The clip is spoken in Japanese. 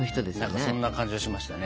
何かそんな感じがしましたね。